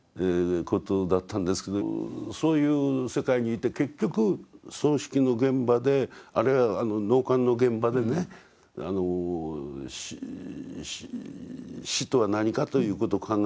そういう世界にいて結局葬式の現場であるいは納棺の現場でね死とは何かということを考えるようになって。